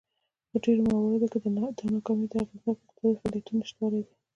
په ډېرو مواردو کې دا ناکامي د اغېزناکو اقتصادي فعالیتونو نشتوالی دی.